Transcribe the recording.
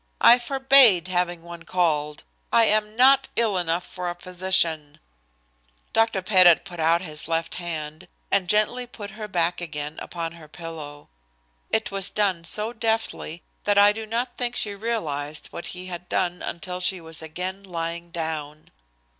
I forbade having one called. I am not ill enough for a physician." Dr. Pettit put out his left hand and gently put her back again upon her pillow. It was done so deftly that I do not think she realized what he had done until she was again lying down.